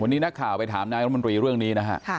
วันนี้นักข่าวไปถามนายรัฐมนตรีเรื่องนี้นะฮะ